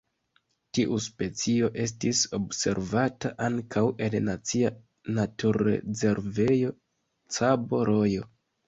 Tiu specio estis observata ankaŭ en Nacia Naturrezervejo Cabo Rojo.